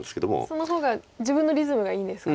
その方が自分のリズムがいいんですか。